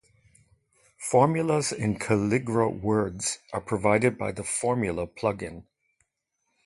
Formulas in Calligra Words are provided by the Formula plugin.